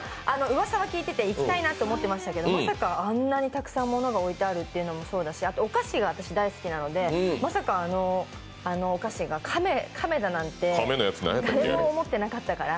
うわさは聞いてて、行きたいなって思ってましたけどまさかあんなにたくさん物が置いてあるっていうのもだしあと、お菓子が大好きなのでまさかあのお菓子が亀だなんて誰も思ってなかったから。